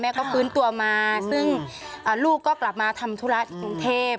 แม่ก็ปืนตัวมาซึ่งลูกก็กลับมาทำธุระกรุงเทพฯ